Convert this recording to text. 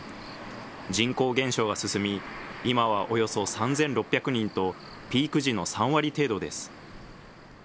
人口減少が進み、今はおよそ３６００人と、ピーク時の３割程度です。